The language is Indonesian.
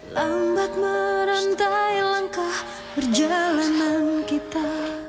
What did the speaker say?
lambat merantai langkah perjalanan kita